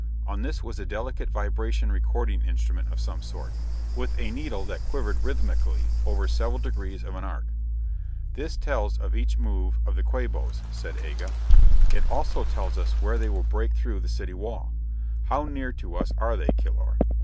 On this was a delicate vibration recording instrument of some sort, with a needle that quivered rhythmically over several degrees of an arc. "This tells of each move of the Quabos," said Aga. "It also tells us where they will break through the city wall. How near to us are they, Kilor?"